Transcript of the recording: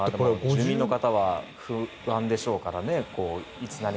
住民の方は不安でしょうからね。